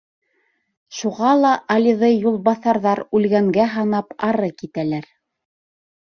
Шуға ла Алиҙы юлбаҫарҙар үлгәнгә һанап ары китәләр.